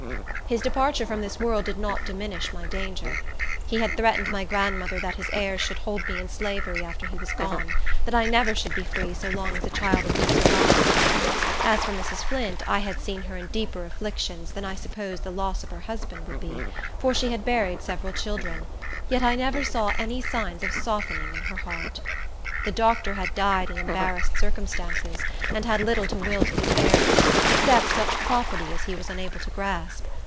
His departure from this world did not diminish my danger. He had threatened my grandmother that his heirs should hold me in slavery after he was gone; that I never should be free so long as a child of his survived. As for Mrs. Flint, I had seen her in deeper afflictions than I supposed the loss of her husband would be, for she had buried several children; yet I never saw any signs of softening in her heart. The doctor had died in embarrassed circumstances, and had little to will to his heirs, except such property as he was unable to grasp.